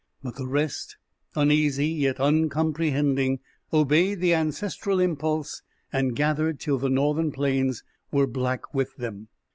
But the rest, uneasy, yet uncomprehending, obeyed the ancestral impulse and gathered till the northern plains were black with them.